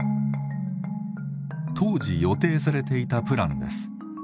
当時予定されていたプランです。